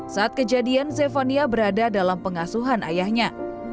saat kejadian zefania berada dalam pengasuhan ayahnya